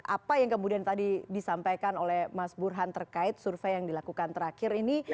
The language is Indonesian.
apa yang kemudian tadi disampaikan oleh mas burhan terkait survei yang dilakukan terakhir ini